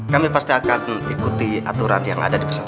kami pasti akan ikuti aturan yang ada di pesantren